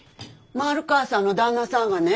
丸川さんの旦那さんがね